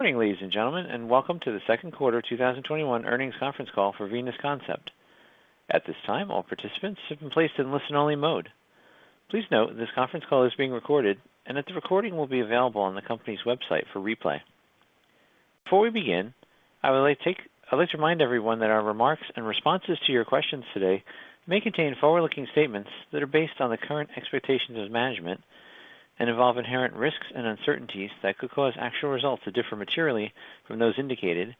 Before we begin, I would like to remind everyone that our remarks and responses to your questions today may contain forward-looking statements that are based on the current expectations of management and involve inherent risks and uncertainties that could cause actual results to differ materially from those indicated,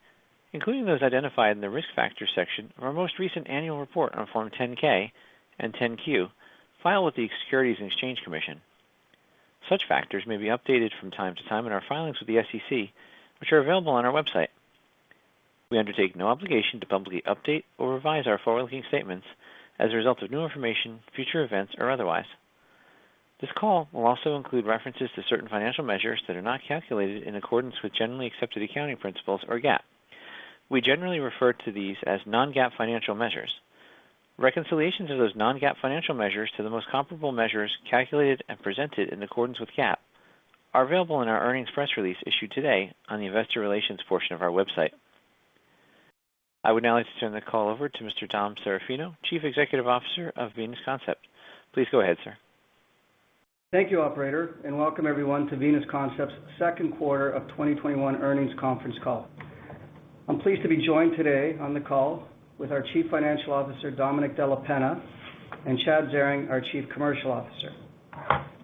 including those identified in the Risk Factors section of our most recent annual report on Form 10-K and 10-Q filed with the Securities and Exchange Commission. Such factors may be updated from time to time in our filings with the SEC, which are available on our website. We undertake no obligation to publicly update or revise our forward-looking statements as a result of new information, future events, or otherwise. This call will also include references to certain financial measures that are not calculated in accordance with Generally Accepted Accounting Principles, or GAAP. We generally refer to these as non-GAAP financial measures. Reconciliations of those non-GAAP financial measures to the most comparable measures calculated and presented in accordance with GAAP are available in our earnings press release issued today on the Investor Relations portion of our website. I would now like to turn the call over to Mr. Dom Serafino, Chief Executive Officer of Venus Concept. Please go ahead, sir. Thank you, operator, and welcome everyone to Venus Concept's second quarter of 2021 earnings conference call. I'm pleased to be joined today on the call with our Chief Financial Officer, Domenic Della Penna, and Chad Zaring, our Chief Commercial Officer.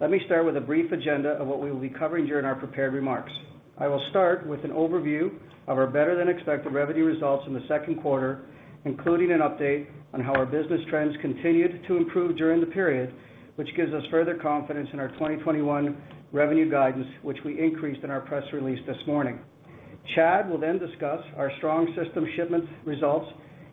Let me start with a brief agenda of what we will be covering during our prepared remarks. I will start with an overview of our better-than-expected revenue results in the second quarter, including an update on how our business trends continued to improve during the period, which gives us further confidence in our 2021 revenue guidance, which we increased in our press release this morning. Chad will then discuss our strong system shipment results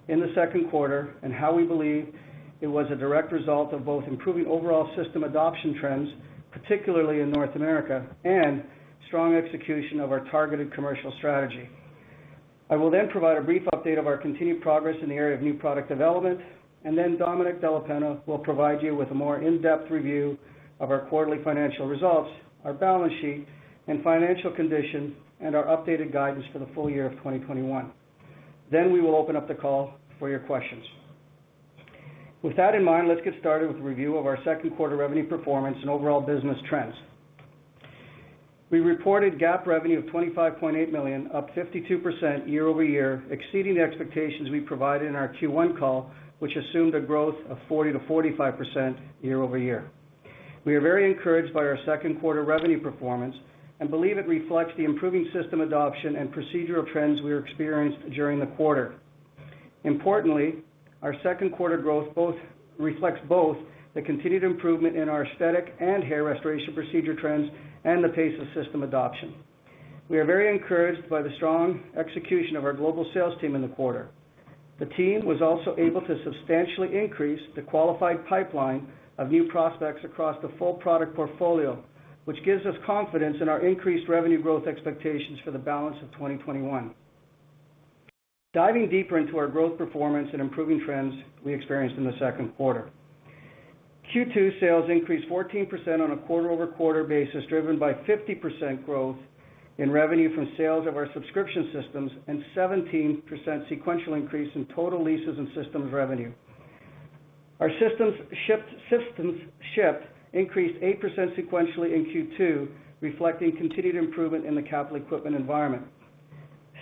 in the second quarter and how we believe it was a direct result of both improving overall system adoption trends, particularly in North America, and strong execution of our targeted commercial strategy. I will then provide a brief update of our continued progress in the area of new product development, Domenic Della Penna will provide you with a more in-depth review of our quarterly financial results, our balance sheet and financial condition, and our updated guidance for the full year of 2021. We will open up the call for your questions. With that in mind, let's get started with a review of our second quarter revenue performance and overall business trends. We reported GAAP revenue of $25.8 million, up 52% year-over-year, exceeding the expectations we provided in our Q1 call, which assumed a growth of 40%-45% year-over-year. We are very encouraged by our second quarter revenue performance and believe it reflects the improving system adoption and procedural trends we experienced during the quarter. Importantly, our second quarter growth reflects both the continued improvement in our aesthetic and hair restoration procedure trends and the pace of system adoption. We are very encouraged by the strong execution of our global sales team in the quarter. The team was also able to substantially increase the qualified pipeline of new prospects across the full product portfolio, which gives us confidence in our increased revenue growth expectations for the balance of 2021. Diving deeper into our growth performance and improving trends we experienced in the second quarter. Q2 sales increased 14% on a quarter-over-quarter basis, driven by 50% growth in revenue from sales of our subscription systems and 17% sequential increase in total leases and systems revenue. Our systems shipped increased 8% sequentially in Q2, reflecting continued improvement in the capital equipment environment.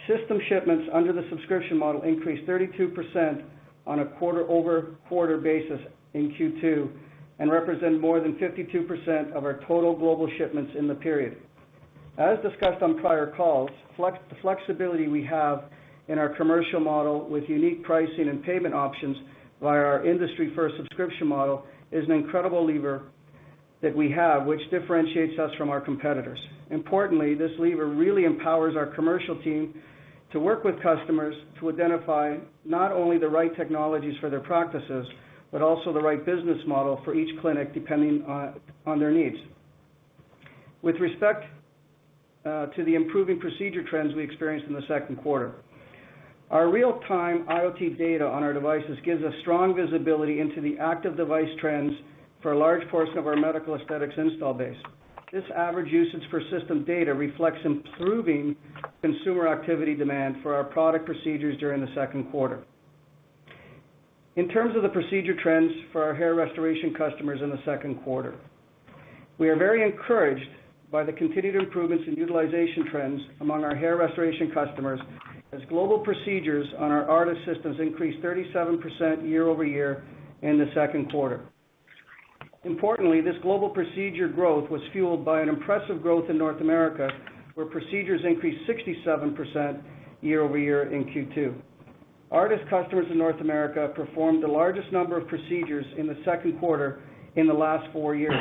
System shipments under the subscription model increased 32% on a quarter-over-quarter basis in Q2 and represent more than 52% of our total global shipments in the period. As discussed on prior calls, the flexibility we have in our commercial model with unique pricing and payment options via our industry-first subscription model is an incredible lever that we have which differentiates us from our competitors. Importantly, this lever really empowers our commercial team to work with customers to identify not only the right technologies for their practices, but also the right business model for each clinic, depending on their needs. With respect to the improving procedure trends we experienced in the second quarter, our real-time IoT data on our devices gives us strong visibility into the active device trends for a large portion of our medical aesthetics install base. This average usage for system data reflects improving consumer activity demand for our product procedures during the second quarter. In terms of the procedure trends for our hair restoration customers in the second quarter, we are very encouraged by the continued improvements in utilization trends among our hair restoration customers as global procedures on our ARTAS systems increased 37% year-over-year in the second quarter. Importantly, this global procedure growth was fueled by an impressive growth in North America, where procedures increased 67% year-over-year in Q2. ARTAS customers in North America performed the largest number of procedures in the second quarter in the last four years.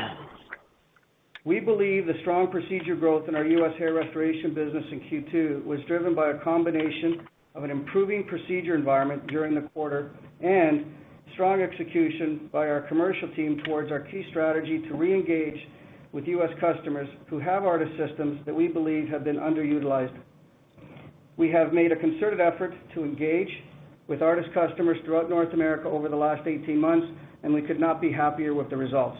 We believe the strong procedure growth in our U.S. hair restoration business in Q2 was driven by a combination of an improving procedure environment during the quarter and strong execution by our commercial team towards our key strategy to reengage with U.S. customers who have ARTAS systems that we believe have been underutilized. We have made a concerted effort to engage with ARTAS customers throughout North America over the last 18 months, and we could not be happier with the results.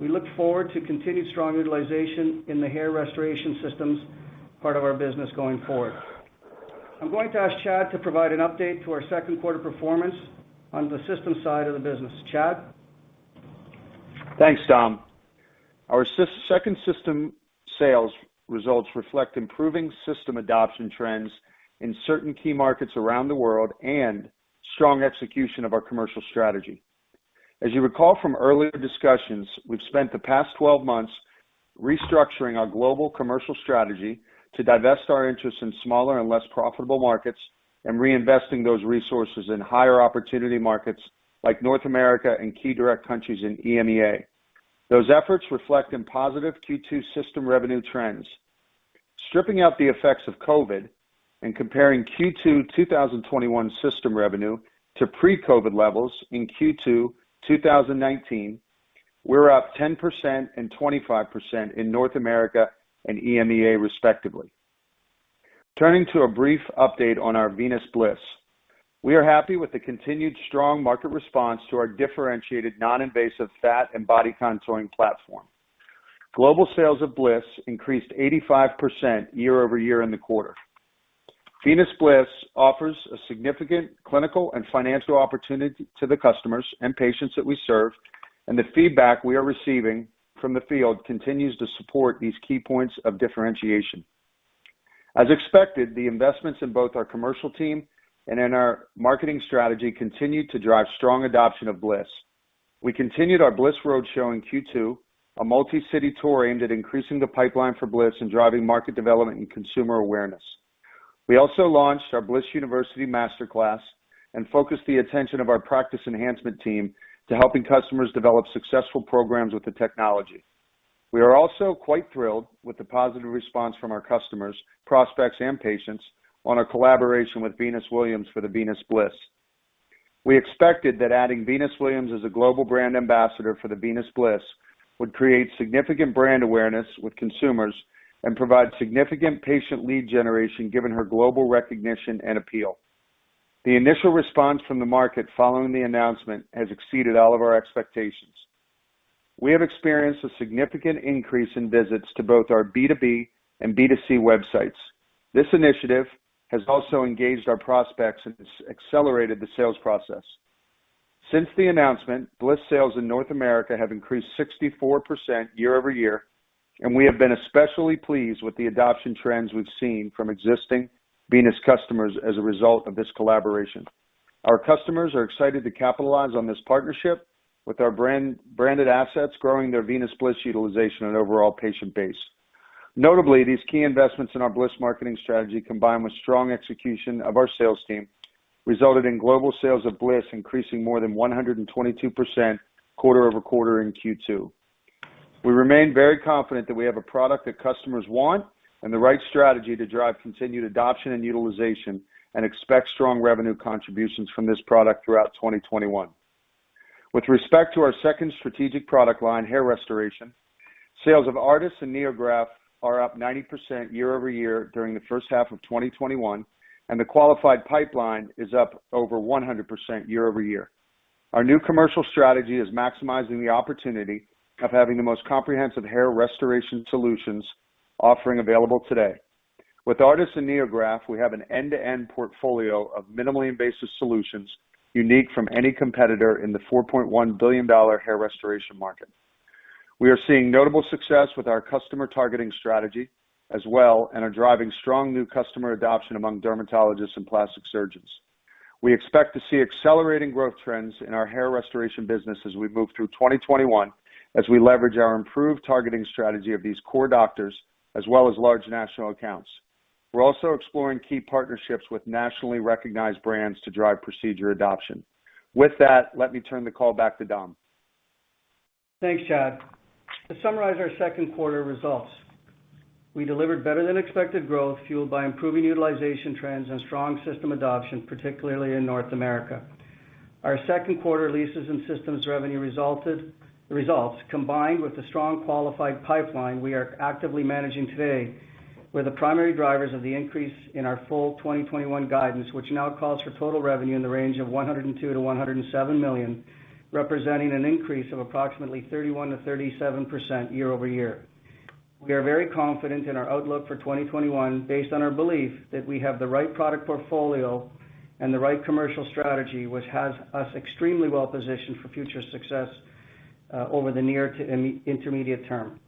We look forward to continued strong utilization in the hair restoration systems part of our business going forward. I'm going to ask Chad to provide an update to our second quarter performance on the system side of the business. Chad? Thanks, Dom. Our second system sales results reflect improving system adoption trends in certain key markets around the world and strong execution of our commercial strategy. As you recall from earlier discussions, we've spent the past 12 months restructuring our global commercial strategy to divest our interests in smaller and less profitable markets and reinvesting those resources in higher opportunity markets like North America and key direct countries in EMEA. Those efforts reflect in positive Q2 system revenue trends. Stripping out the effects of COVID and comparing Q2 2021 system revenue to pre-COVID levels in Q2 2019, we're up 10% and 25% in North America and EMEA respectively. Turning to a brief update on our Venus Bliss. We are happy with the continued strong market response to our differentiated non-invasive fat and body contouring platform. Global sales of Bliss increased 85% year-over-year in the quarter. Venus Bliss offers a significant clinical and financial opportunity to the customers and patients that we serve, and the feedback we are receiving from the field continues to support these key points of differentiation. As expected, the investments in both our commercial team and in our marketing strategy continued to drive strong adoption of Bliss. We continued our Bliss road show in Q2, a multi-city tour aimed at increasing the pipeline for Bliss and driving market development and consumer awareness. We also launched our Bliss University Master Class and focused the attention of our practice enhancement team to helping customers develop successful programs with the technology. We are also quite thrilled with the positive response from our customers, prospects, and patients on our collaboration with Venus Williams for the Venus Bliss. We expected that adding Venus Williams as a Global Brand Ambassador for the Venus Bliss would create significant brand awareness with consumers and provide significant patient lead generation given her global recognition and appeal. The initial response from the market following the announcement has exceeded all of our expectations. We have experienced a significant increase in visits to both our B2B and B2C websites. This initiative has also engaged our prospects and accelerated the sales process. Since the announcement, Bliss sales in North America have increased 64% year-over-year, and we have been especially pleased with the adoption trends we've seen from existing Venus customers as a result of this collaboration. Our customers are excited to capitalize on this partnership with our branded assets growing their Venus Bliss utilization and overall patient base. Notably, these key investments in our Bliss marketing strategy, combined with strong execution of our sales team, resulted in global sales of Bliss increasing more than 122% quarter-over-quarter in Q2. We remain very confident that we have a product that customers want and the right strategy to drive continued adoption and utilization and expect strong revenue contributions from this product throughout 2021. With respect to our second strategic product line, hair restoration, sales of ARTAS and NeoGraft are up 90% year-over-year during the first half of 2021, and the qualified pipeline is up over 100% year-over-year. Our new commercial strategy is maximizing the opportunity of having the most comprehensive hair restoration solutions offering available today. With ARTAS and NeoGraft, we have an end-to-end portfolio of minimally invasive solutions unique from any competitor in the $4.1 billion hair restoration market. We are seeing notable success with our customer targeting strategy as well and are driving strong new customer adoption among dermatologists and plastic surgeons. We expect to see accelerating growth trends in our hair restoration business as we move through 2021, as we leverage our improved targeting strategy of these core doctors, as well as large national accounts. We're also exploring key partnerships with nationally recognized brands to drive procedure adoption. With that, let me turn the call back to Dom. Thanks, Chad. To summarize our second quarter results, we delivered better-than-expected growth fueled by improving utilization trends and strong system adoption, particularly in North America. Our second quarter leases and systems revenue results, combined with the strong qualified pipeline we are actively managing today, were the primary drivers of the increase in our full 2021 guidance, which now calls for total revenue in the range of $102 million-$107 million, representing an increase of approximately 31%-37% year-over-year. We are very confident in our outlook for 2021 based on our belief that we have the right product portfolio and the right commercial strategy, which has us extremely well positioned for future success over the near to intermediate term.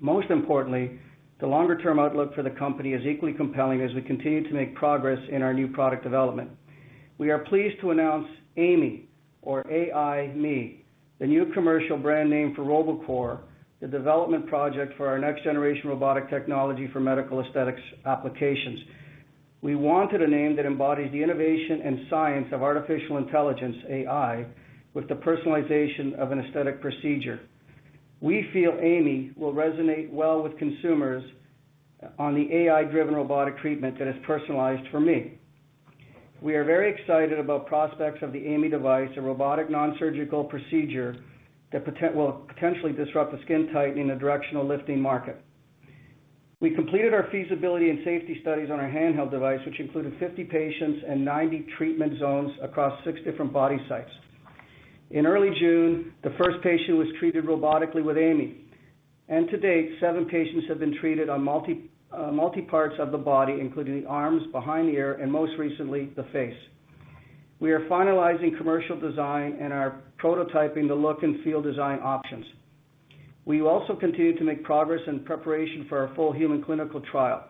Most importantly, the longer-term outlook for the company is equally compelling as we continue to make progress in our new product development. We are pleased to announce AI.ME, or A-I Me, the new commercial brand name for Robocor, the development project for our next generation robotic technology for medical aesthetics applications. We wanted a name that embodies the innovation and science of artificial intelligence, AI, with the personalization of an aesthetic procedure. We feel AI.ME will resonate well with consumers on the AI-driven robotic treatment that is personalized for me. We are very excited about prospects of the AI.ME device, a robotic non-surgical procedure that will potentially disrupt the skin tightening and directional lifting market. We completed our feasibility and safety studies on our handheld device, which included 50 patients and 90 treatment zones across six different body sites. In early June, the first patient was treated robotically with AI.ME. To date, seven patients have been treated on multi-parts of the body, including the arms, behind the ear, and most recently, the face. We are finalizing commercial design and are prototyping the look and feel design options. We will also continue to make progress in preparation for our full human clinical trial.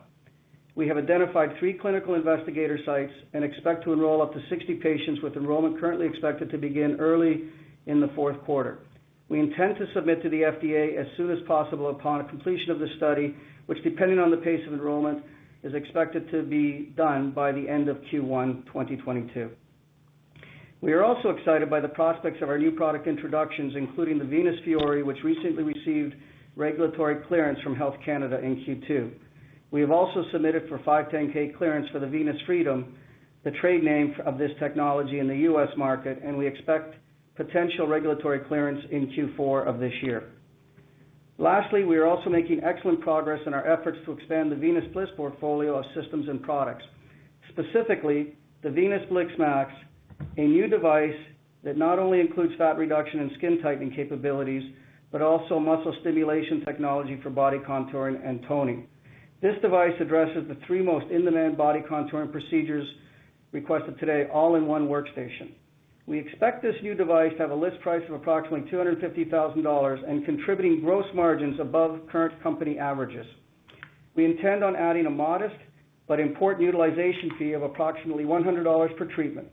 We have identified three clinical investigator sites and expect to enroll up to 60 patients, with enrollment currently expected to begin early in the fourth quarter. We intend to submit to the FDA as soon as possible upon completion of the study, which, depending on the pace of enrollment, is expected to be done by the end of Q1 2022. We are also excited by the prospects of our new product introductions, including the Venus Fiore, which recently received regulatory clearance from Health Canada in Q2. We have also submitted for 510 clearance for the Venus Freedom, the trade name of this technology in the U.S. market, and we expect potential regulatory clearance in Q4 of this year. Lastly, we are also making excellent progress in our efforts to expand the Venus Bliss portfolio of systems and products, specifically the Venus Bliss MAX, a new device that not only includes fat reduction and skin tightening capabilities, but also muscle stimulation technology for body contouring and toning. This device addresses the three most in-demand body contouring procedures requested today, all in one workstation. We expect this new device to have a list price of approximately $250,000 and contributing gross margins above current company averages. We intend on adding a modest but important utilization fee of approximately $100 per treatment.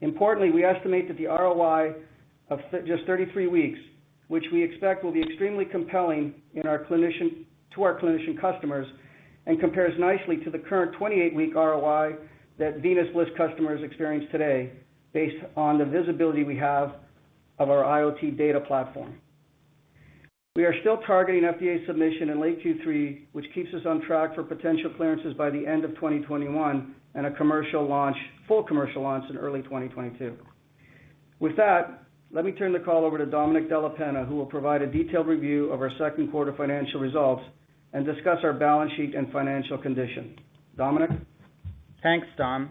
Importantly, we estimate that the ROI of just 33 weeks, which we expect will be extremely compelling to our clinician customers and compares nicely to the current 28-week ROI that Venus Bliss customers experience today based on the visibility we have of our IoT data platform. We are still targeting FDA submission in late Q3, which keeps us on track for potential clearances by the end of 2021 and a full commercial launch in early 2022. With that, let me turn the call over to Domenic Della Penna, who will provide a detailed review of our second quarter financial results and discuss our balance sheet and financial condition. Domenic? Thanks, Dom.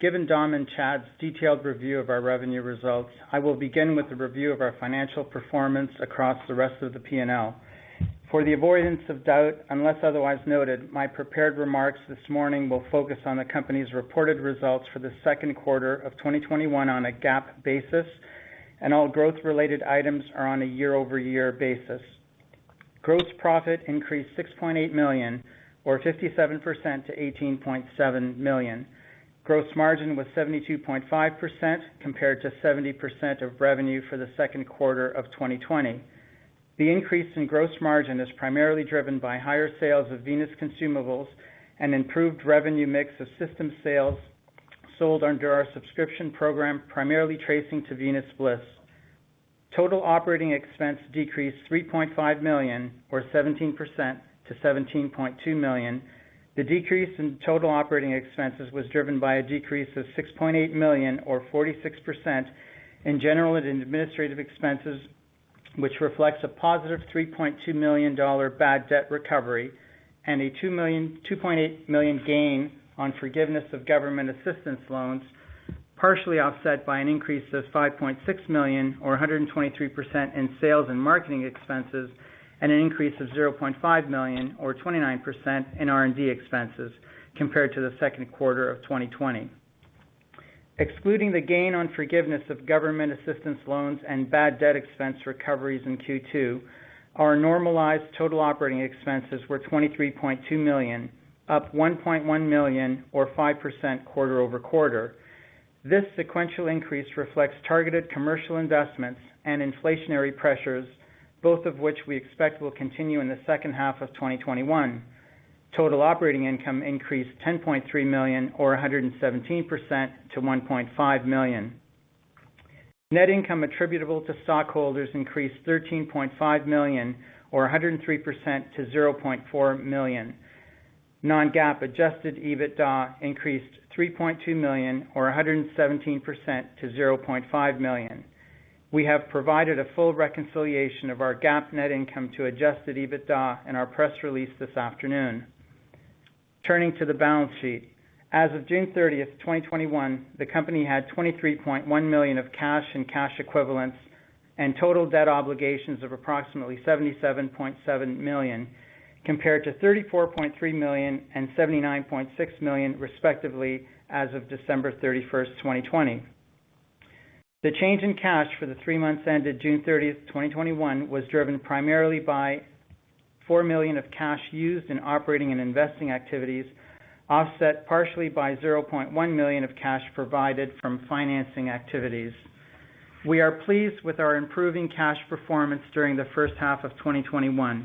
Given Dom and Chad's detailed review of our revenue results, I will begin with a review of our financial performance across the rest of the P&L. For the avoidance of doubt, unless otherwise noted, my prepared remarks this morning will focus on the company's reported results for the second quarter of 2021 on a GAAP basis, and all growth-related items are on a year-over-year basis. Gross profit increased $6.8 million, or 57%, to $18.7 million. Gross margin was 72.5% compared to 70% of revenue for the second quarter of 2020. The increase in gross margin is primarily driven by higher sales of Venus consumables and improved revenue mix of system sales sold under our subscription program, primarily tracing to Venus Bliss. Total operating expense decreased $3.5 million, or 17%, to $17.2 million. The decrease in total operating expenses was driven by a decrease of $6.8 million or 46% in general and administrative expenses, which reflects a positive $3.2 million bad debt recovery and a $2.8 million gain on forgiveness of government assistance loans, partially offset by an increase of $5.6 million or 123% in sales and marketing expenses, and an increase of $0.5 million or 29% in R&D expenses compared to the second quarter of 2020. Excluding the gain on forgiveness of government assistance loans and bad debt expense recoveries in Q2, our normalized total operating expenses were $23.2 million, up $1.1 million or 5% quarter-over-quarter. This sequential increase reflects targeted commercial investments and inflationary pressures, both of which we expect will continue in the second half of 2021. Total operating income increased $10.3 million or 117% to $1.5 million. Net income attributable to stockholders increased $13.5 million or 103% to $0.4 million. Non-GAAP adjusted EBITDA increased $3.2 million or 117% to $0.5 million. We have provided a full reconciliation of our GAAP net income to adjusted EBITDA in our press release this afternoon. Turning to the balance sheet. As of June 30th, 2021, the company had $23.1 million of cash and cash equivalents and total debt obligations of approximately $77.7 million, compared to $34.3 million and $79.6 million, respectively, as of December 31st, 2020. The change in cash for the three months ended June 30th, 2021, was driven primarily by $4 million of cash used in operating and investing activities, offset partially by $0.1 million of cash provided from financing activities. We are pleased with our improving cash performance during the first half of 2021.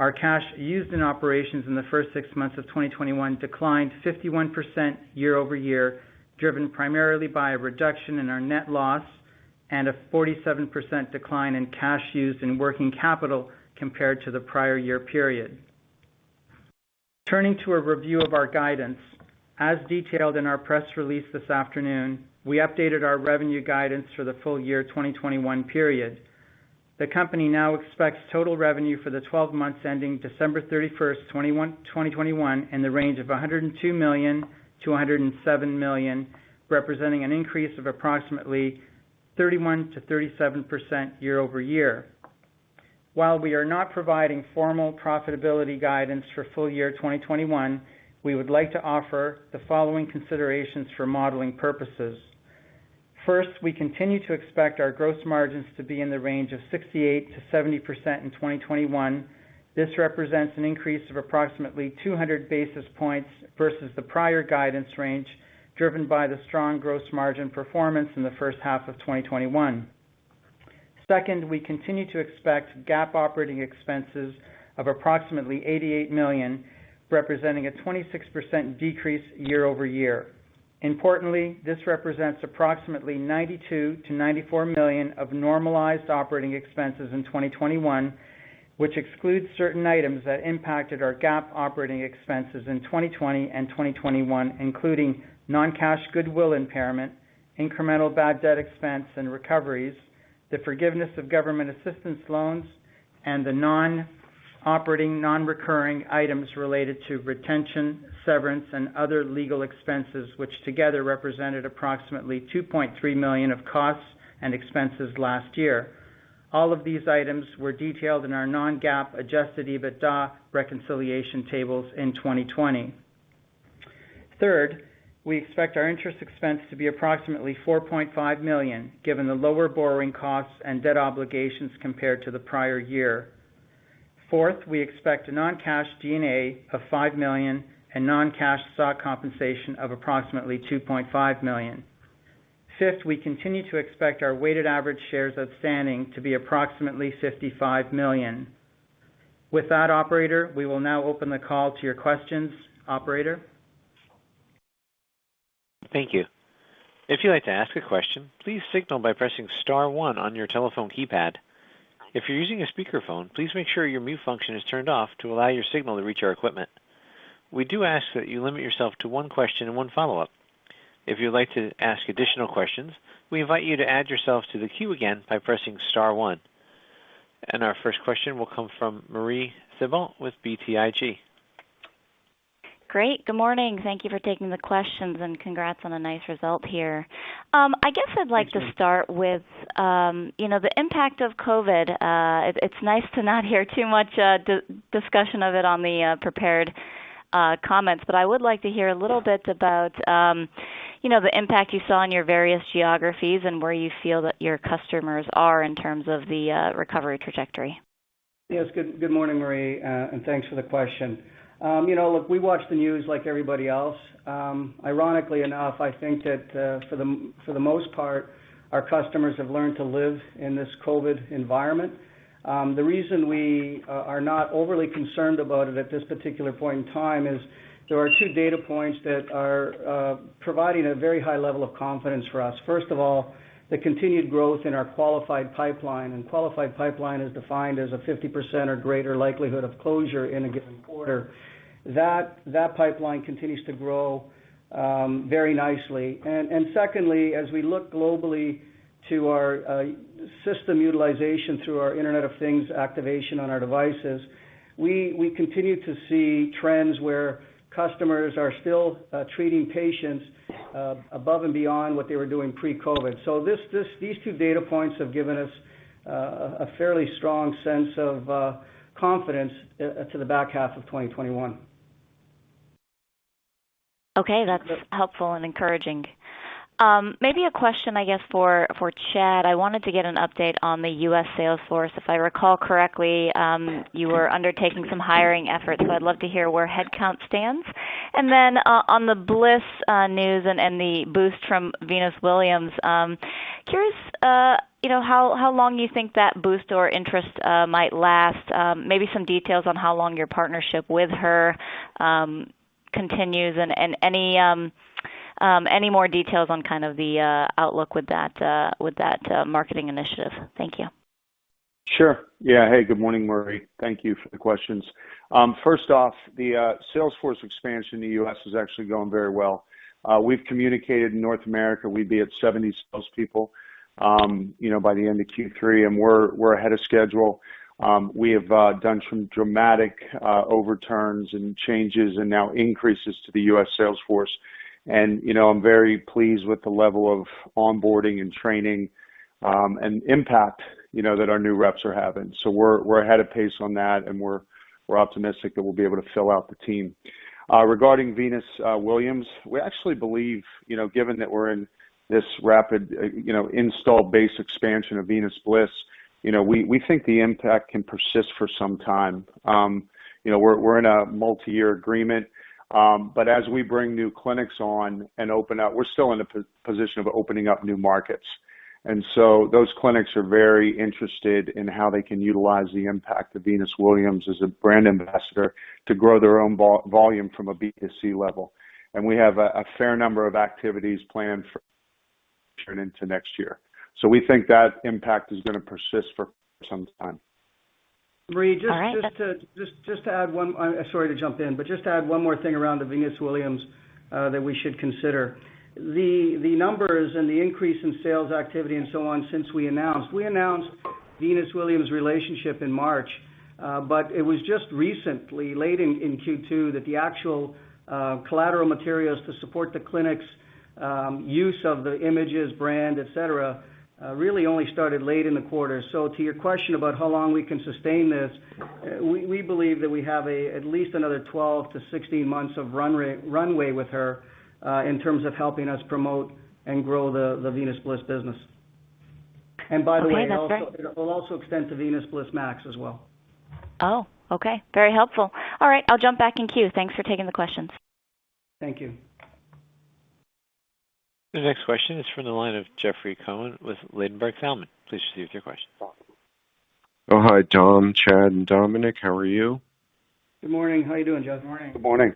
Our cash used in operations in the first six months of 2021 declined 51% year-over-year, driven primarily by a reduction in our net loss and a 47% decline in cash used in working capital compared to the prior year period. Turning to a review of our guidance. As detailed in our press release this afternoon, we updated our revenue guidance for the full year 2021 period. The company now expects total revenue for the 12 months ending December 31st, 2021, in the range of $102 million-$107 million, representing an increase of approximately 31%-37% year-over-year. While we are not providing formal profitability guidance for full year 2021, we would like to offer the following considerations for modeling purposes. First, we continue to expect our gross margins to be in the range of 68%-70% in 2021. This represents an increase of approximately 200 basis points versus the prior guidance range, driven by the strong gross margin performance in the first half of 2021. Second, we continue to expect GAAP operating expenses of approximately $88 million, representing a 26% decrease year-over-year. Importantly, this represents approximately $92 million-$94 million of normalized operating expenses in 2021, which excludes certain items that impacted our GAAP operating expenses in 2020 and 2021, including non-cash goodwill impairment, incremental bad debt expense and recoveries, the forgiveness of government assistance loans, and the non-operating, non-recurring items related to retention, severance, and other legal expenses, which together represented approximately $2.3 million of costs and expenses last year. All of these items were detailed in our non-GAAP adjusted EBITDA reconciliation tables in 2020. Third, we expect our interest expense to be approximately $4.5 million, given the lower borrowing costs and debt obligations compared to the prior year. Fourth, we expect a non-cash D&A of $5 million and non-cash stock compensation of approximately $2.5 million. Fifth, we continue to expect our weighted average shares outstanding to be approximately $55 million. With that, operator, we will now open the call to your questions. Operator? Thank you. If you'd like to ask a question, please signal by pressing star one on your telephone keypad. If you're using a speakerphone, please make sure your mute function is turned off to allow your signal to reach our equipment. We do ask that you limit yourself to one question and one follow-up. If you'd like to ask additional questions, we invite you to add yourself to the queue again by pressing star one. Our first question will come from Marie Thibault with BTIG. Great. Good morning. Thank you for taking the questions and congrats on a nice result here. Thanks, Marie. I guess I'd like to start with the impact of COVID. It's nice to not hear too much discussion of it on the prepared comments. I would like to hear a little bit about the impact you saw on your various geographies and where you feel that your customers are in terms of the recovery trajectory. Yes. Good morning, Marie, and thanks for the question. Look, we watch the news like everybody else. Ironically enough, I think that for the most part, our customers have learned to live in this COVID environment. The reason we are not overly concerned about it at this particular point in time is there are two data points that are providing a very high level of confidence for us. First of all, the continued growth in our qualified pipeline, and qualified pipeline is defined as a 50% or greater likelihood of closure in a given quarter. That pipeline continues to grow very nicely. Secondly, as we look globally to our system utilization through our Internet of Things activation on our devices, we continue to see trends where customers are still treating patients above and beyond what they were doing pre-COVID. These two data points have given us a fairly strong sense of confidence to the back half of 2021. Okay. That's helpful and encouraging. Maybe a question, I guess, for Chad. I wanted to get an update on the U.S. sales force. If I recall correctly, you were undertaking some hiring efforts, so I'd love to hear where headcount stands. Then on the Bliss news and the boost from Venus Williams, curious how long you think that boost or interest might last. Maybe some details on how long your partnership with her continues and any more details on kind of the outlook with that marketing initiative. Thank you. Sure. Yeah. Hey, good morning, Marie. Thank you for the questions. First off, the sales force expansion in the U.S. is actually going very well. We've communicated in North America, we'd be at 70 sales people by the end of Q3, we're ahead of schedule. We have done some dramatic overturns and changes and now increases to the U.S. sales force. I'm very pleased with the level of onboarding and training, and impact that our new reps are having. We're ahead of pace on that, and we're optimistic that we'll be able to fill out the team. Regarding Venus Williams, we actually believe, given that we're in this rapid install base expansion of Venus Bliss, we think the impact can persist for some time. We're in a multi-year agreement. As we bring new clinics on and open up, we're still in a position of opening up new markets. Those clinics are very interested in how they can utilize the impact of Venus Williams as a brand ambassador to grow their own volume from a B2C level. We have a fair number of activities planned forward into next year. We think that impact is going to persist for some time. Marie. All right. Just to add one, I'm sorry to jump in, just to add one more thing around the Venus Williams that we should consider. The numbers and the increase in sales activity and so on since we announced, we announced the Venus Williams relationship in March, but it was just recently, late in Q2, that the actual collateral materials to support the clinic's use of the images, brand, et cetera, really only started late in the quarter. To your question about how long we can sustain this, we believe that we have at least another 12-16 months of runway with her, in terms of helping us promote and grow the Venus Bliss business. Okay, that's great. It'll also extend to Venus Bliss MAX as well. Oh, okay. Very helpful. All right, I'll jump back in queue. Thanks for taking the questions. Thank you. The next question is from the line of Jeffrey Cohen with Ladenburg Thalmann. Please proceed with your question. Oh, hi, Dom, Chad, and Domenic. How are you? Good morning. How you doing, Jeff? Good morning. Good morning.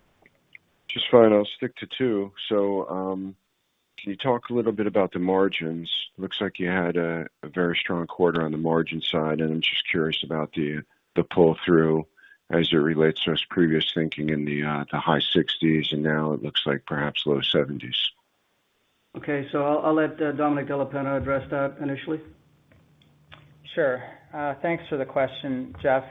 Just fine. I'll stick to two. Can you talk a little bit about the margins? Looks like you had a very strong quarter on the margin side, and I'm just curious about the pull-through as it relates to us previous thinking in the high-60s, and now it looks like perhaps low-70s. Okay. I'll let Domenic Della Penna address that initially. Sure. Thanks for the question, Jeff.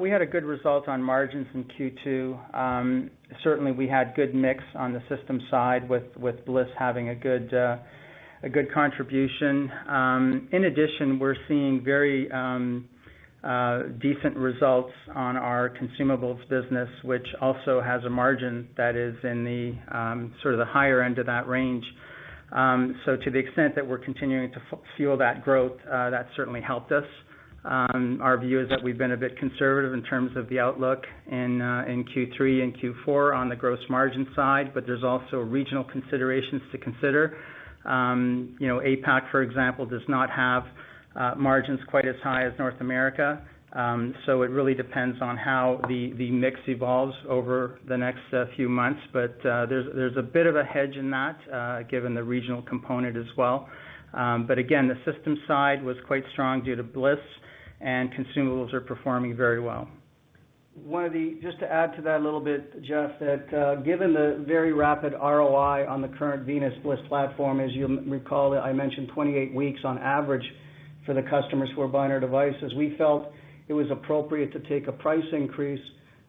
We had a good result on margins in Q2. Certainly, we had good mix on the system side with Bliss having a good contribution. In addition, we're seeing very decent results on our consumables business, which also has a margin that is in the higher end of that range. To the extent that we're continuing to fuel that growth, that certainly helped us. Our view is that we've been a bit conservative in terms of the outlook in Q3 and Q4 on the gross margin side, but there's also regional considerations to consider. APAC, for example, does not have margins quite as high as North America. It really depends on how the mix evolves over the next few months. There's a bit of a hedge in that, given the regional component as well. Again, the system side was quite strong due to Bliss, and consumables are performing very well. Just to add to that a little bit, Jeff, that given the very rapid ROI on the current Venus Bliss platform, as you will recall, I mentioned 28 weeks on average for the customers who are buying our devices. We felt it was appropriate to take a price increase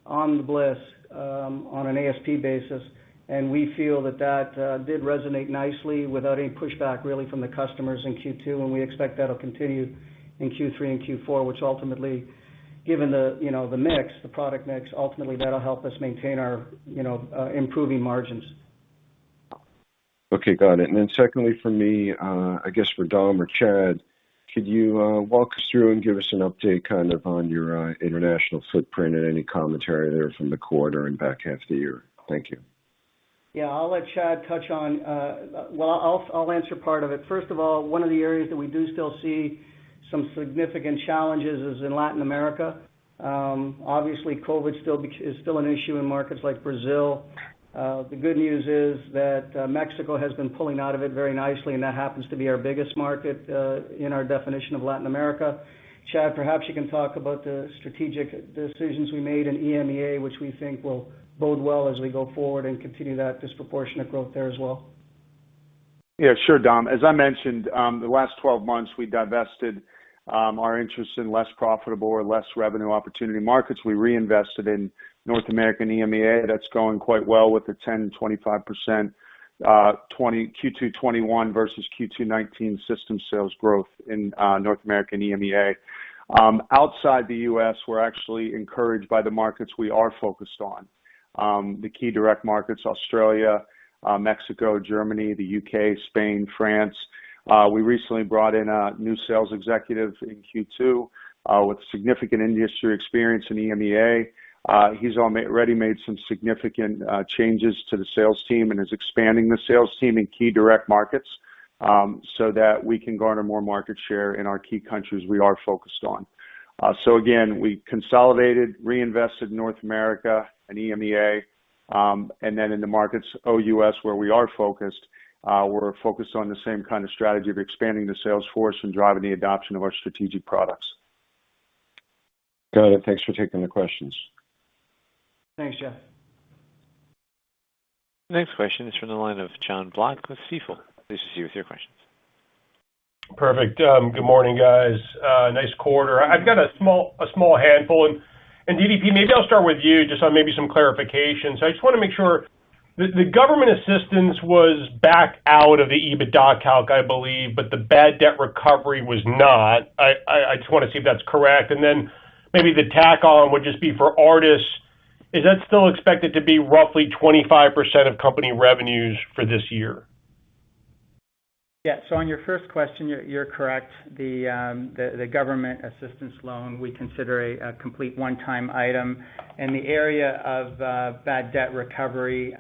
on the Bliss, on an ASP basis. We feel that that did resonate nicely without any pushback really from the customers in Q2, and we expect that will continue in Q3 and Q4, which ultimately given the product mix, ultimately that will help us maintain our improving margins. Okay, got it. Secondly for me, I guess for Dom or Chad, could you walk us through and give us an update on your international footprint and any commentary there from the quarter and back half the year? Thank you. Yeah, I'll let Chad touch on Well, I'll answer part of it. First of all, one of the areas that we do still see some significant challenges is in Latin America. Obviously, COVID is still an issue in markets like Brazil. The good news is that Mexico has been pulling out of it very nicely, and that happens to be our biggest market, in our definition of Latin America. Chad, perhaps you can talk about the strategic decisions we made in EMEA, which we think will bode well as we go forward and continue that disproportionate growth there as well. Yeah, sure, Dom. As I mentioned, the last 12 months, we divested our interest in less profitable or less revenue opportunity markets. We reinvested in North American EMEA. That's going quite well with the 10%-25% Q2 2021 versus Q2 2019 system sales growth in North American EMEA. Outside the U.S., we're actually encouraged by the markets we are focused on. The key direct markets, Australia, Mexico, Germany, the U.K., Spain, France. We recently brought in a new sales executive in Q2, with significant industry experience in EMEA. He's already made some significant changes to the sales team and is expanding the sales team in key direct markets, so that we can garner more market share in our key countries we are focused on. Again, we consolidated, reinvested North America and EMEA, and then in the markets OUS, where we are focused, we're focused on the same kind of strategy of expanding the sales force and driving the adoption of our strategic products. Got it. Thanks for taking the questions. Thanks, Jeff. Next question is from the line of Jon Block with Stifel. Pleased to see you with your questions. Perfect. Good morning, guys. Nice quarter. I've got a small handful. DDP, maybe I'll start with you just on maybe some clarification. I just want to make sure, the government assistance was back out of the EBITDA calc, I believe, but the bad debt recovery was not. I just want to see if that's correct. Maybe the tack on would just be for ARTAS. Is that still expected to be roughly 25% of company revenues for this year? On your first question, you're correct. The government assistance loan, we consider a complete one-time item. In the area of bad debt recovery,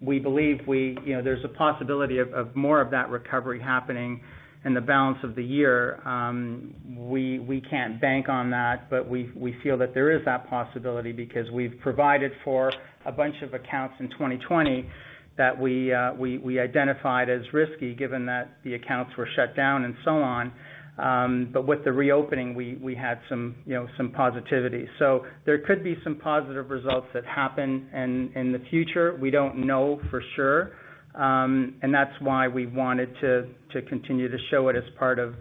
we believe there's a possibility of more of that recovery happening in the balance of the year. We can't bank on that, but we feel that there is that possibility because we've provided for a bunch of accounts in 2020 that we identified as risky given that the accounts were shut down and so on. With the reopening, we had some positivity. There could be some positive results that happen in the future. We don't know for sure, and that's why we wanted to continue to show it as part of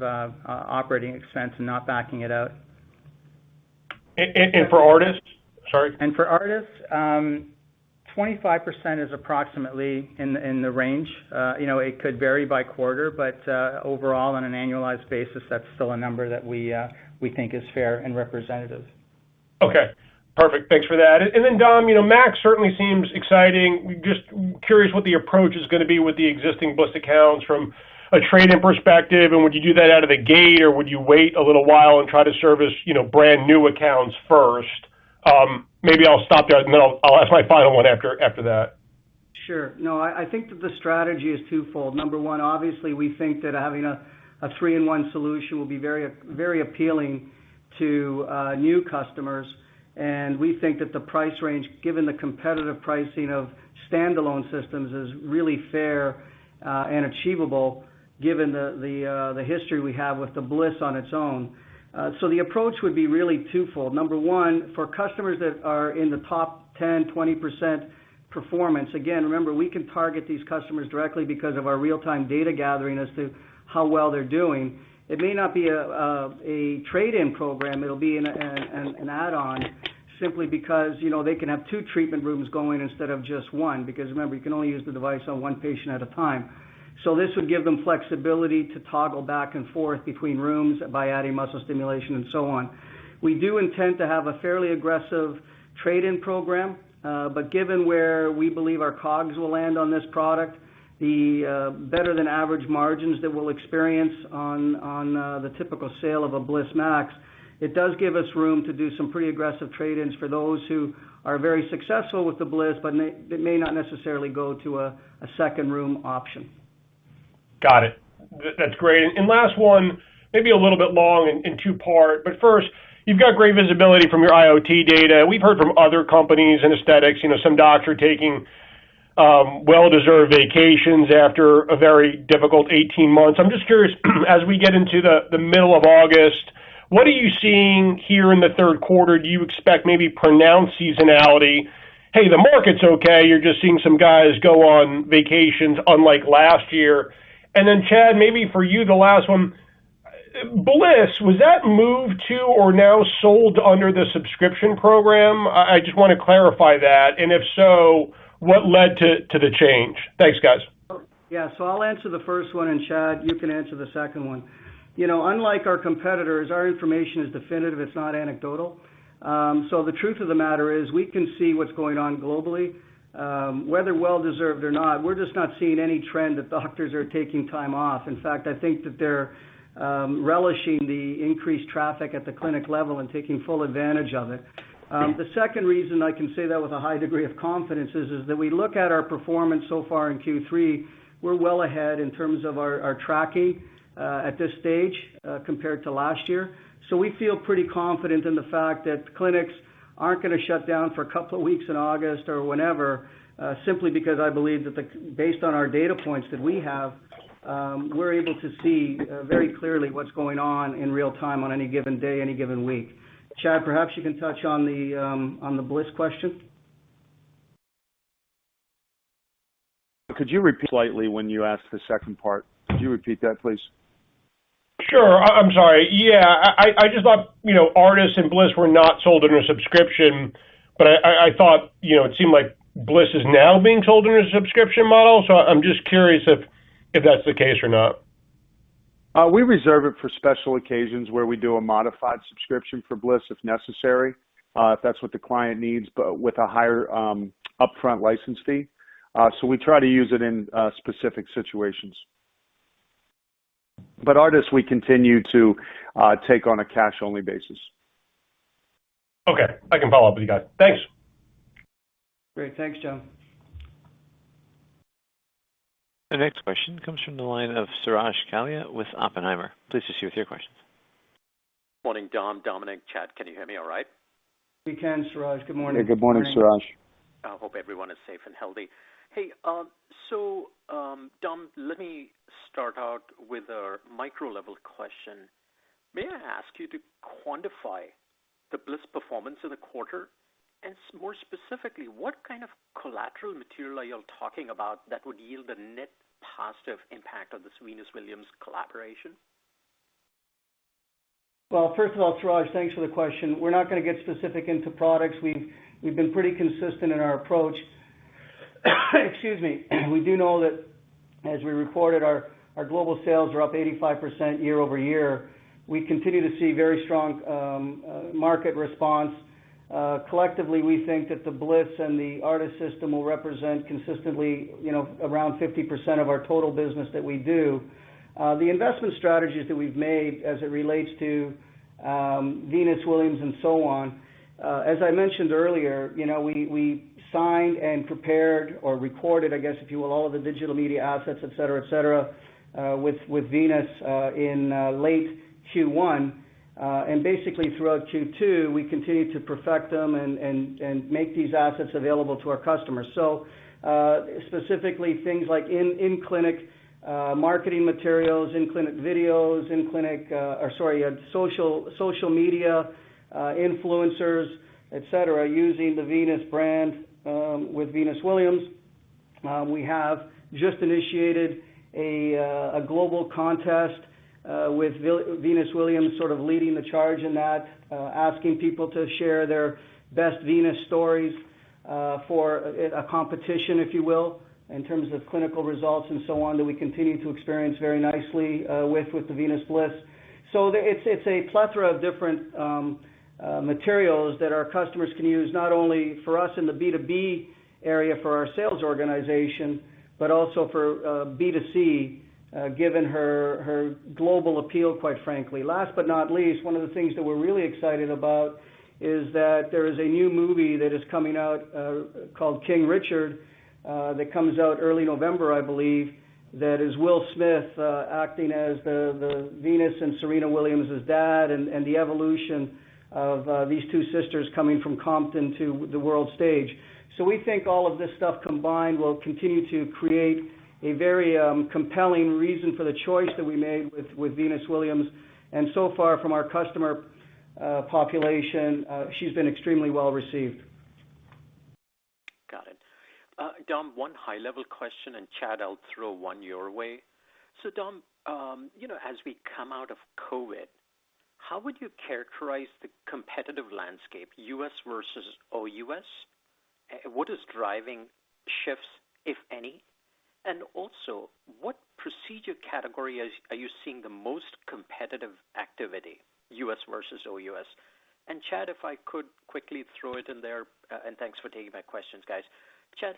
operating expense and not backing it out. For ARTAS? Sorry. For ARTAS, 25% is approximately in the range. It could vary by quarter, but overall, on an annualized basis, that's still a number that we think is fair and representative. Okay, perfect. Thanks for that. Then Dom, [MAX] certainly seems exciting. Just curious what the approach is going to be with the existing Bliss accounts from a trade-in perspective. Would you do that out of the gate, or would you wait a little while and try to service brand-new accounts first? Maybe I'll stop there, then I'll ask my final one after that. Sure. No, I think that the strategy is twofold. Number one, obviously, we think that having a three-in-one solution will be very appealing to new customers, and we think that the price range, given the competitive pricing of standalone systems, is really fair and achievable given the history we have with the Bliss on its own. The approach would be really twofold. Number one, for customers that are in the top 10%, 20% performance, again, remember, we can target these customers directly because of our real-time data gathering as to how well they're doing. It may not be a trade-in program, it'll be an add-on simply because they can have two treatment rooms going instead of just one, because remember, you can only use the device on one patient at a time. This would give them flexibility to toggle back and forth between rooms by adding muscle stimulation and so on. We do intend to have a fairly aggressive trade-in program. Given where we believe our COGS will land on this product, the better than average margins that we'll experience on the typical sale of a Venus Bliss MAX, it does give us room to do some pretty aggressive trade-ins for those who are very successful with the Bliss, but may not necessarily go to a second room option. Got it. That's great. Last one, maybe a little bit long and two-part, but first, you've got great visibility from your IoT data. We've heard from other companies in aesthetics, some docs are taking well-deserved vacations after a very difficult 18 months. I'm just curious, as we get into the middle of August, what are you seeing here in the third quarter? Do you expect maybe pronounced seasonality? Hey, the market's okay. You're just seeing some guys go on vacations, unlike last year. Then Chad, maybe for you, the last one. Bliss, was that moved to or now sold under the subscription program? I just want to clarify that. If so, what led to the change? Thanks, guys. Yeah. I'll answer the first one, and Chad, you can answer the second one. Unlike our competitors, our information is definitive, it's not anecdotal. The truth of the matter is we can see what's going on globally. Whether well-deserved or not, we're just not seeing any trend that doctors are taking time off. In fact, I think that they're relishing the increased traffic at the clinic level and taking full advantage of it. The second reason I can say that with a high degree of confidence is that we look at our performance so far in Q3, we're well ahead in terms of our tracking at this stage compared to last year. We feel pretty confident in the fact that clinics aren't going to shut down for a couple of weeks in August or whenever, simply because I believe that based on our data points that we have, we're able to see very clearly what's going on in real time on any given day, any given week. Chad, perhaps you can touch on the Bliss question. Could you repeat slightly when you asked the second part? Could you repeat that, please? Sure. I'm sorry. Yeah, I just thought ARTAS and Bliss were not sold under a subscription, but I thought it seemed like Bliss is now being sold under a subscription model. I'm just curious if that's the case or not. We reserve it for special occasions where we do a modified subscription for Bliss if necessary, if that's what the client needs, but with a higher upfront license fee. We try to use it in specific situations. ARTAS, we continue to take on a cash-only basis. Okay. I can follow up with you guys. Thanks. Great. Thanks, Jon. The next question comes from the line of Suraj Kalia with Oppenheimer. Please proceed with your questions. Morning, Dom, Domenic, Chad, can you hear me all right? We can, Suraj. Good morning. Good morning, Suraj. I hope everyone is safe and healthy. Hey, Dom, let me start out with a micro-level question. May I ask you to quantify the Bliss performance in the quarter? More specifically, what kind of collateral material are you all talking about that would yield a net positive impact of this Venus Williams collaboration? Well, first of all, Suraj, thanks for the question. We're not going to get specific into products. We've been pretty consistent in our approach. Excuse me. We do know that as we reported, our global sales are up 85% year-over-year. We continue to see very strong market response. Collectively, we think that the Bliss and the ARTAS system will represent consistently around 50% of our total business that we do. The investment strategies that we've made as it relates to Venus Williams and so on, as I mentioned earlier, we signed and prepared or recorded, I guess, if you will, all of the digital media assets, et cetera, with Venus in late Q1. Basically, throughout Q2, we continued to perfect them and make these assets available to our customers. Specifically, things like in-clinic marketing materials, in-clinic videos, social media, influencers, et cetera, using the Venus brand with Venus Williams. We have just initiated a global contest with Venus Williams sort of leading the charge in that, asking people to share their best Venus stories for a competition, if you will, in terms of clinical results and so on, that we continue to experience very nicely with the Venus Bliss. It's a plethora of different materials that our customers can use, not only for us in the B2B area for our sales organization, but also for B2C, given her global appeal, quite frankly. Last but not least, one of the things that we're really excited about is that there is a new movie that is coming out, called "King Richard," that comes out early November, I believe, that is Will Smith acting as the Venus and Serena Williams' dad, and the evolution of these two sisters coming from Compton to the world stage. We think all of this stuff combined will continue to create a very compelling reason for the choice that we made with Venus Williams. So far from our customer population, she's been extremely well-received. Got it. Dom, one high-level question, and Chad, I'll throw one your way. Dom, as we come out of COVID, how would you characterize the competitive landscape, U.S. versus OUS? What is driving shifts, if any, and also what procedure category are you seeing the most competitive activity, U.S. versus OUS? Chad, if I could quickly throw it in there, and thanks for taking my questions, guys. Chad,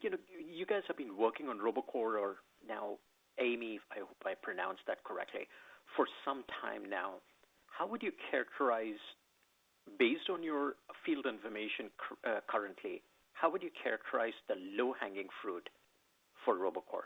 you guys have been working on Robocor or now AI.ME, I hope I pronounced that correctly, for some time now. Based on your field information currently, how would you characterize the low-hanging fruit for Robocor?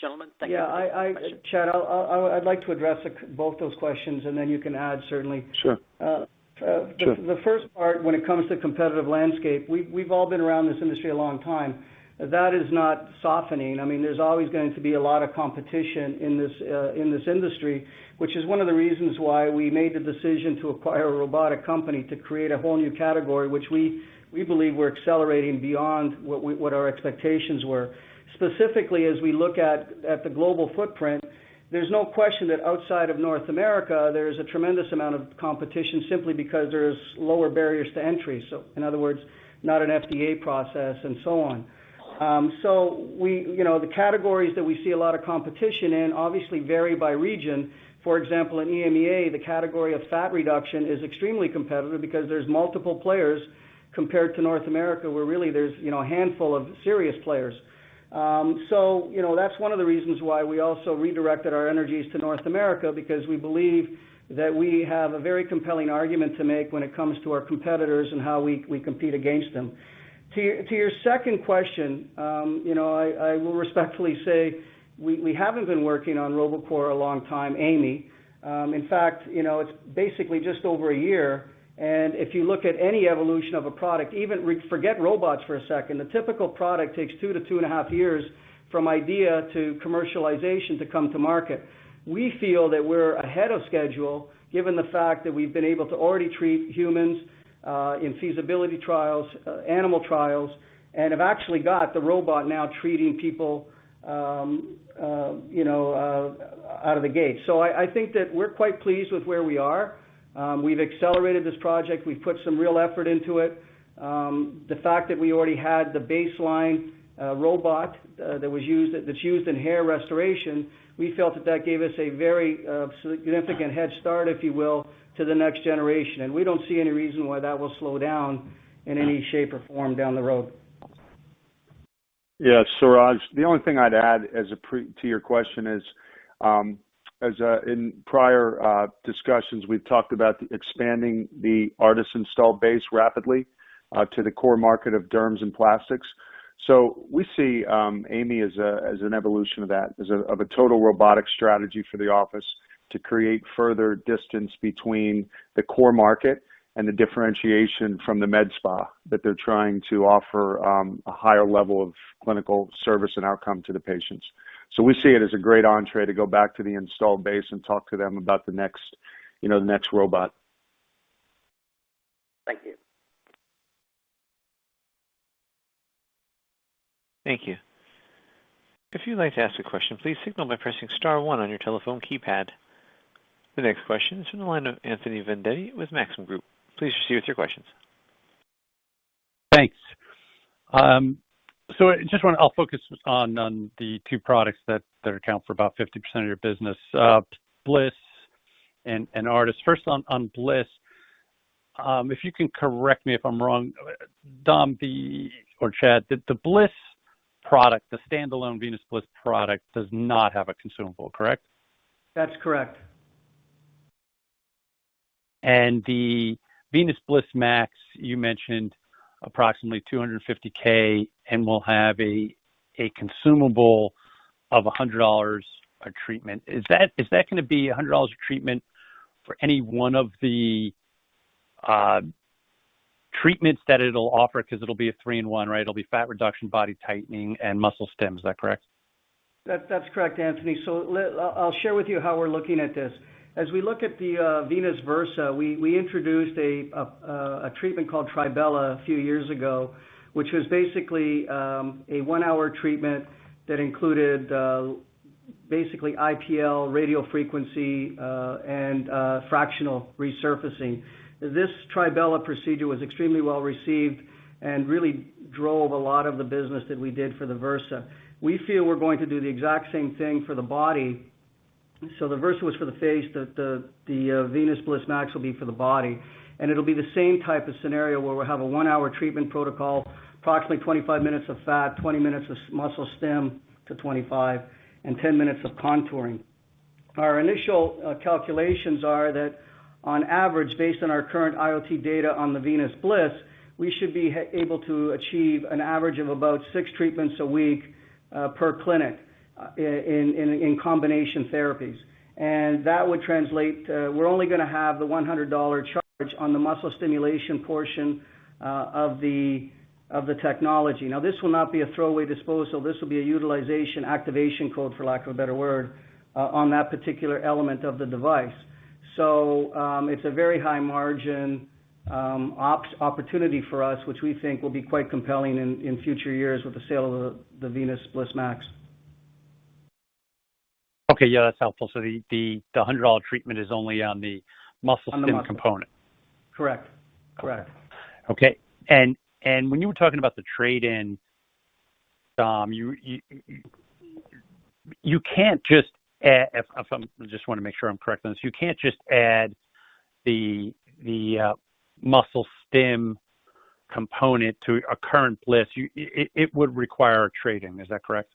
Gentlemen, thank you for the question. Yeah, Chad, I'd like to address both those questions, and then you can add certainly. Sure. The first part, when it comes to competitive landscape, we've all been around this industry a long time. That is not softening. There's always going to be a lot of competition in this industry, which is one of the reasons why we made the decision to acquire a robotic company to create a whole new category, which we believe we're accelerating beyond what our expectations were. Specifically, as we look at the global footprint, there's no question that outside of North America, there's a tremendous amount of competition simply because there's lower barriers to entry. In other words, not an FDA process and so on. The categories that we see a lot of competition in obviously vary by region. For example, in EMEA, the category of fat reduction is extremely competitive because there's multiple players compared to North America, where really there's a handful of serious players. That's one of the reasons why we also redirected our energies to North America because we believe that we have a very compelling argument to make when it comes to our competitors and how we compete against them. To your second question, I will respectfully say we haven't been working on Robocor a long time, AI.ME. In fact, it's basically just over a year, and if you look at any evolution of a product, even forget robots for a second, the typical product takes two to two and a half years from idea to commercialization to come to market. We feel that we're ahead of schedule, given the fact that we've been able to already treat humans in feasibility trials, animal trials, and have actually got the robot now treating people out of the gate. I think that we're quite pleased with where we are. We've accelerated this project. We've put some real effort into it. The fact that we already had the baseline robot that's used in hair restoration, we felt that that gave us a very significant head start, if you will, to the next generation, and we don't see any reason why that will slow down in any shape or form down the road. Yeah. Suraj, the only thing I'd add to your question is, as in prior discussions, we've talked about expanding the ARTAS install base rapidly, to the core market of derms and plastics. We see AI.ME as an evolution of that, of a total robotic strategy for the office to create further distance between the core market and the differentiation from the med spa that they're trying to offer a higher level of clinical service and outcome to the patients. We see it as a great entrée to go back to the install base and talk to them about the next robot. Thank you. Thank you. If you would like to ask a question, please signal by pressing star one on your telephone keypad. The next question is from the line of Anthony Vendetti with Maxim Group. Please proceed with your questions. Thanks. I'll focus on the two products that account for about 50% of your business, Bliss and ARTAS. First on Bliss, if you can correct me if I'm wrong, Dom or Chad, the Bliss product, the standalone Bliss product, does not have a consumable, correct? That's correct. The Venus Bliss MAX, you mentioned approximately $250,000 and will have a consumable of $100 a treatment. Is that going to be $100 a treatment for any one of the treatments that it'll offer? Because it'll be a three-in-one, right? It'll be fat reduction, body tightening, and muscle stim. Is that correct? That's correct, Anthony. I'll share with you how we're looking at this. As we look at the Venus Versa, we introduced a treatment called TriBella a few years ago, which was basically a one-hour treatment that included basically IPL radio frequency and fractional resurfacing. This TriBella procedure was extremely well-received and really drove a lot of the business that we did for the Versa. We feel we're going to do the exact same thing for the body. The Versa was for the face, the Venus Bliss MAX will be for the body, and it'll be the same type of scenario where we'll have a one-hour treatment protocol, approximately 25 minutes of fat, 20 minutes of muscle stim to 25 minutes, and 10 minutes of contouring. Our initial calculations are that on average, based on our current IoT data on the Venus Bliss, we should be able to achieve an average of about six treatments a week per clinic in combination therapies. That would translate to we're only going to have the $100 charge on the muscle stimulation portion of the technology. Now, this will not be a throwaway disposal. This will be a utilization activation code, for lack of a better word, on that particular element of the device. It's a very high margin opportunity for us, which we think will be quite compelling in future years with the sale of the Venus Bliss MAX. Okay. Yeah, that's helpful. The $100 treatment is only on the muscle stim component? Correct. Okay. When you were talking about the trade-in, Dom, I just want to make sure I'm correct on this, you can't just add the muscle stim component to a current Bliss. It would require a trade-in, is that correct?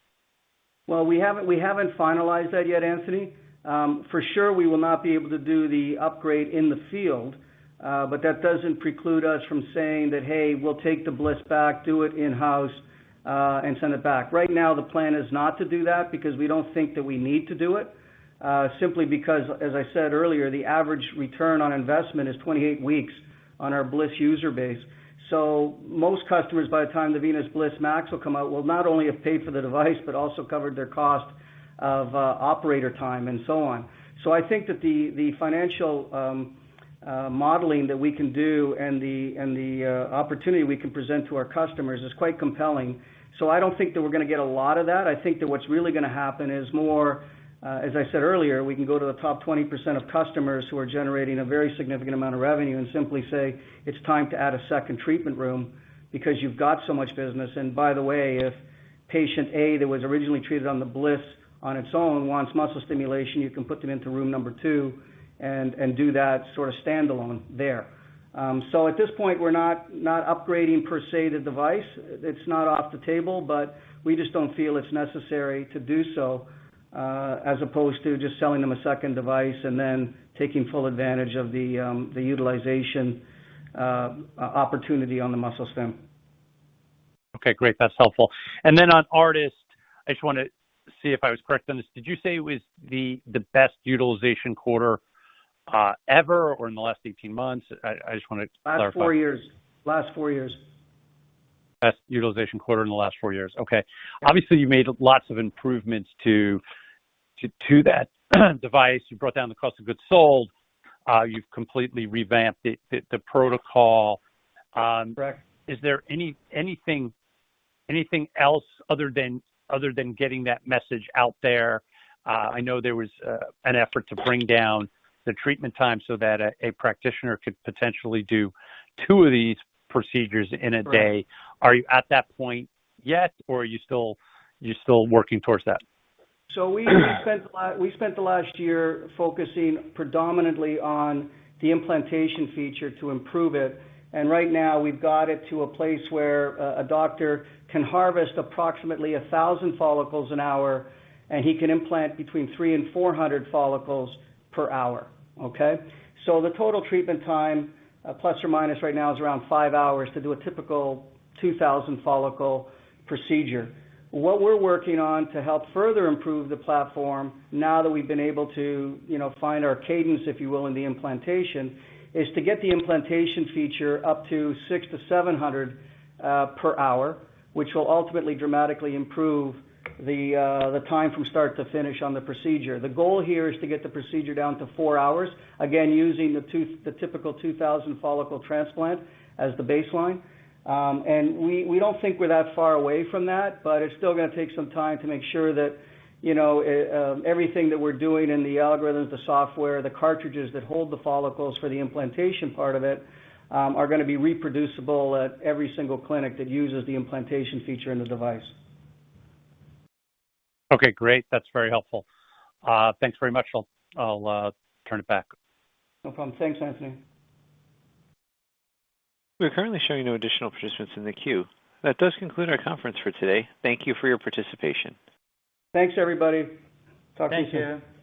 Well, we haven't finalized that yet, Anthony. For sure, we will not be able to do the upgrade in the field. That doesn't preclude us from saying that, hey, we'll take the Bliss back, do it in-house, and send it back. Right now, the plan is not to do that, because we don't think that we need to do it, simply because, as I said earlier, the average return on investment is 28 weeks on our Bliss user base. Most customers, by the time the Venus Bliss MAX will come out, will not only have paid for the device, but also covered their cost of operator time and so on. I think that the financial modeling that we can do and the opportunity we can present to our customers is quite compelling. I don't think that we're going to get a lot of that. I think that what's really going to happen is more, as I said earlier, we can go to the top 20% of customers who are generating a very significant amount of revenue and simply say, "It's time to add a second treatment room because you've got so much business." By the way, if patient A, that was originally treated on the Bliss on its own, wants muscle stimulation, you can put them into room number two and do that sort of standalone there. At this point, we're not upgrading, per se, the device. It's not off the table, but we just don't feel it's necessary to do so, as opposed to just selling them a second device and then taking full advantage of the utilization opportunity on the muscle stim. Okay, great. That's helpful. On ARTAS, I just want to see if I was correct on this. Did you say it was the best utilization quarter ever or in the last 18 months? I just want to clarify. Last four years. Best utilization quarter in the last four years. Okay. Obviously, you made lots of improvements to that device. You brought down the Cost of Goods Sold. You've completely revamped the protocol. Correct. Is there anything else other than getting that message out there? I know there was an effort to bring down the treatment time so that a practitioner could potentially do two of these procedures in a day. Correct. Are you at that point yet, or are you still working towards that? We spent the last year focusing predominantly on the implantation feature to improve it, and right now we've got it to a place where a doctor can harvest approximately 1,000 follicles an hour, and he can implant between 300 and 400 follicles per hour. Okay. The total treatment time, plus or minus right now, is around five hours to do a typical 2,000 follicle procedure. What we're working on to help further improve the platform now that we've been able to find our cadence, if you will, in the implantation, is to get the implantation feature up to 600 to 700 per hour, which will ultimately dramatically improve the time from start to finish on the procedure. The goal here is to get the procedure down to four hours, again, using the typical 2,000 follicle transplant as the baseline. We don't think we're that far away from that, but it's still going to take some time to make sure that everything that we're doing in the algorithms, the software, the cartridges that hold the follicles for the implantation part of it, are going to be reproducible at every single clinic that uses the implantation feature in the device. Okay, great. That's very helpful. Thanks very much. I'll turn it back. No problem. Thanks, Anthony. We are currently showing no additional participants in the queue. That does conclude our conference for today. Thank you for your participation. Thanks, everybody. Thank you.